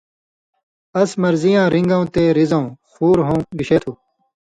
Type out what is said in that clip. اس مرضی یاں رِن٘گؤں تے رِزؤں (خُور ہوں) گِشے تُھو؟